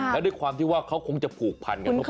และด้วยความที่ว่าเขาคงจะผูกพันกัน